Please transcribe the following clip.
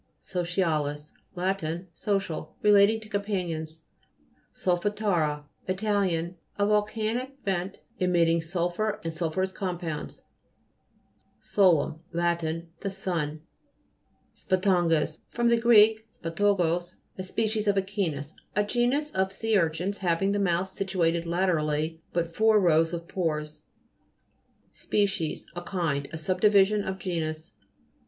SOCIA'LIS Lat. Social ; relating to companions. SOLFATA'RA It. A volcanic vent emitting sulphur and sulphurous compounds (p. 115). SOLEM Lat. The sun. SOMMA It. (p. 103). SPATA'NGUS fr. gr. spataggos, a spe cies of echinus. A genus of sea urchins, having the mouth situated laterally, and but four rows of pores. SPECIES A kind ; a subdivision of genus.